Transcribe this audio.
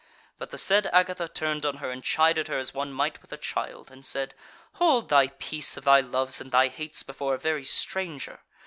But the said Agatha turned on her, and chided her, as one might with a child, and said: 'Hold thy peace of thy loves and thy hates before a very stranger!